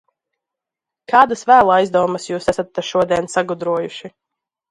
Kādas vēl aizdomas jūs esat te šodien sagudrojuši?